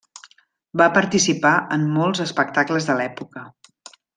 Va participar en molts espectacles de l'època.